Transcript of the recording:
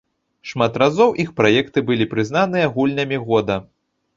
Шмат разоў іх праекты былі прызнаныя гульнямі года.